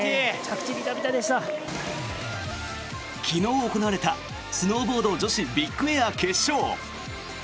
昨日行われた、スノーボード女子ビッグエア決勝。